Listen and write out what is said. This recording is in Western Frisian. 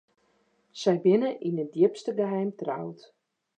Sy binne yn it djipste geheim troud.